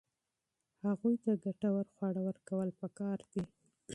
هغوی ته ګټور خواړه ورکول پکار دي.